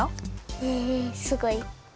へえすごい。